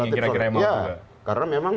yang kira kira mau karena memang